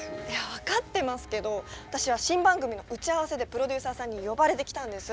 分かってますけど私は新番組の打ち合わせでプロデューサーさんに呼ばれて来たんです！